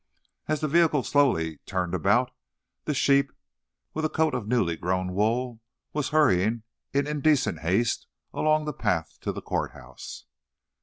As the vehicle slowly turned about, the sheep, with a coat of newly grown wool, was hurrying, in indecent haste, along the path to the court house.